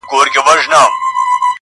د بېلتون غم مي پر زړه باندي چاپېر سو.!